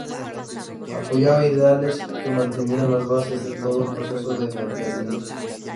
Apoyaba ideales que mantenían las bases de todo el proceso de independencia.